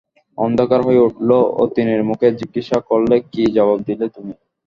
অন্ধকার হয়ে উঠল অতীনের মুখ, জিজ্ঞাসা করলে, কী জবাব দিলে তুমি?